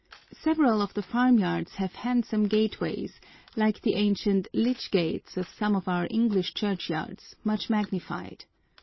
Several of the farm yards have handsome gateways like the ancient "lychgates" of some of our English churchyards much magnified.